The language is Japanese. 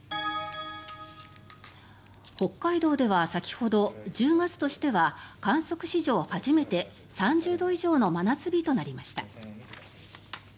北海道では先ほど１０月としては観測史上初めて３０度以上の真夏日となりました。